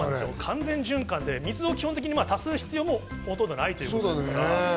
完全循環で水を基本的に足す必要もないということです。